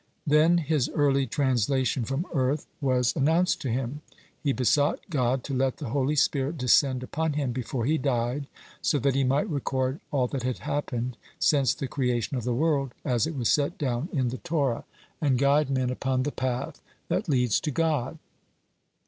Then his early translation from earth was announced to him. He besought God to let the holy spirit descend upon him before he died, so that he might record all that had happened since the creation of the world as it was set down in the Torah, and guide men upon the path that leads to God.